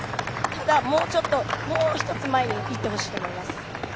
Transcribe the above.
ただ、もう１つ前にいってほしいと思います。